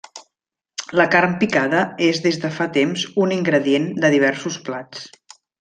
La carn picada és des de fa temps un ingredient de diversos plats.